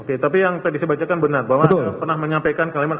oke tapi yang tadi saya bacakan benar bahwa pernah menyampaikan kalimat